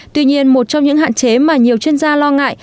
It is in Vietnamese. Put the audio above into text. tuy nhiên một trong những hạn chế mà nhiều chuyên gia lo ngại